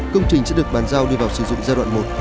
công trình sẽ được bàn giao đưa vào sử dụng giai đoạn một